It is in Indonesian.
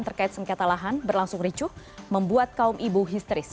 terkait sengketa lahan berlangsung ricuh membuat kaum ibu histeris